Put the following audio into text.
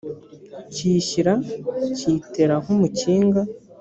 kiyishyira kiyitera nk umukinga